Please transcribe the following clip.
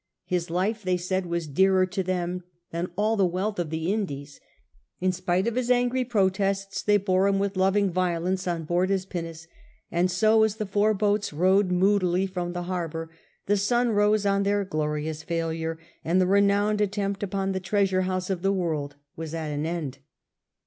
His life, they said, was dearer to them than all the wealth of the Indies. In spite of his angry protests they bore him with loving violence on board his pinnace, and so as the four boats rowed moodily from the harbour the sun rose on their glorious failure, and the renowned attempt upon the Treasure House of the World was at an end.